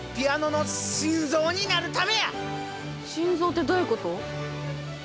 心臓ってどういうこと？